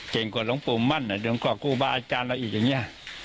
เก่งกว่าล้องปูมั่นล้องกว่ากู้บ้าอาจารย์เราอีกอย่างนี้